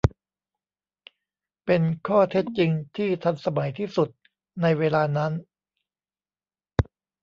เป็นข้อเท็จจริงที่ทันสมัยที่สุดในเวลานั้น